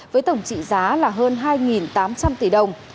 với tổng trị giá là hơn hai tám trăm linh tỷ đồng